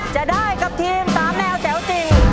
จะได้กับทีมสามแนวแจ๋วจริง